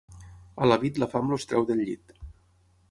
A Lavit la fam els treu del llit.